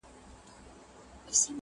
د ګوربت، باز او شاهین خبري مه کړئ.!